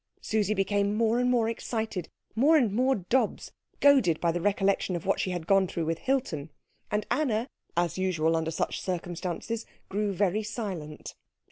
Susie became more and more excited, more and more Dobbs, goaded by the recollection of what she had gone through with Hilton, and Anna, as usual under such circumstances, grew very silent.